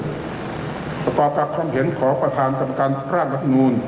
หลักก็อาการความเห็นของประธานจำกรรมพระรับโน้น